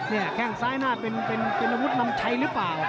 แข้งซ้ายหน้าเป็นอาวุธนำชัยหรือเปล่า